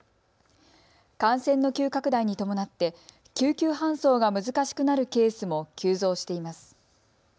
感染の急拡大に伴って救急搬送が難しくなるケースも急増しています。